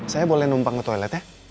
saya boleh numpang ke toilet ya